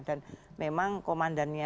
dan memang komandannya